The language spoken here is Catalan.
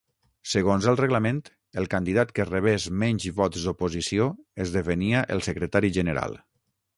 Segons el reglament, el candidat que rebés menys vots d'oposició esdevenia el Secretari General.